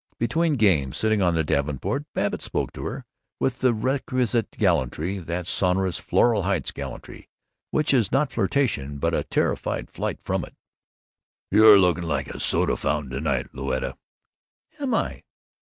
Between games, sitting on the davenport, Babbitt spoke to her with the requisite gallantry, that sonorous Floral Heights gallantry which is not flirtation but a terrified flight from it: "You're looking like a new soda fountain to night, Louetta." "Am I?"